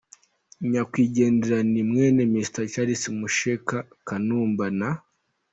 Nyakwigendera ni mwene Mr Charles Meshack Kanumba na.